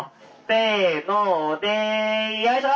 せのでよいしょ！」。